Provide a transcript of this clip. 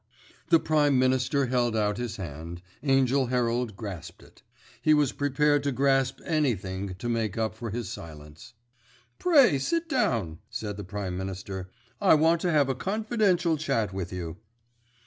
The Prime Minister held out his hand, Angell Herald grasped it. He was prepared to grasp anything to make up for his silence. "Pray, sit down," said the Prime Minister. "I want to have a confidential chat with you."